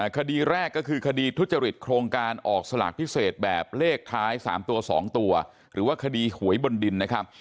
คดีแรกก็คือคดีทุจริตโครงการออกสลากพิเศษแบบเลขท้าย๓ตัว๒ตัวหรือว่าคดีหวยบนดินนะครับ